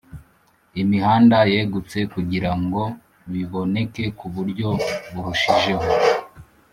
imihanda yegutse kugirango biboneke ku buryo burushijeho.